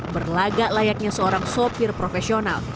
berlagak layaknya seorang sopir profesional